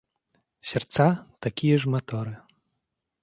Сердца – такие ж моторы.